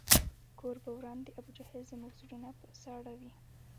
کور به وران د ابوجهل زموږ زړونه په ساړه وي